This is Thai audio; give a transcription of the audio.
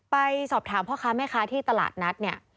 ไปสอบถามพ่อค้าแม่ค้าที่ตลาดนัดเนี่ย